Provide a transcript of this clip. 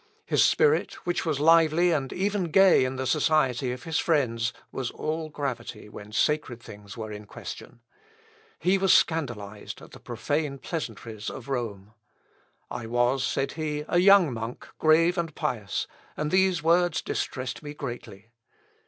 His spirit, which was lively and even gay in the society of his friends, was all gravity when sacred things were in question. He was scandalised at the profane pleasantries of Rome. "I was," said be, "a young monk, grave and pious, and these words distressed me greatly.